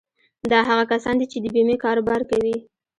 دا هغه کسان دي چې د بيمې کاروبار کوي.